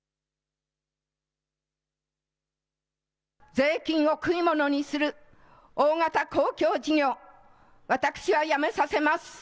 税金を食い物にする大型公共事業、私はやめさせます。